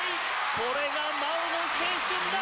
これが真央の青春だ。